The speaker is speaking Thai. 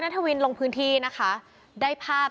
รสมคุณแทะณทวิ้นลงพื้นที่นะคะได้ภาพ